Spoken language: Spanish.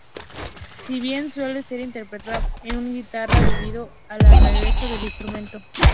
Si bien, suele ser interpretada en guitarra debido a la rareza del instrumento.